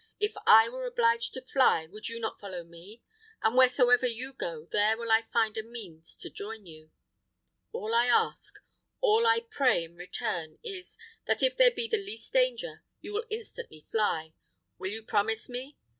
If I were obliged to fly, would you not follow me? and wheresoever you go, there will I find means to join you. All I ask, all I pray in return is, that if there be the least danger, you will instantly fly. Will you promise me?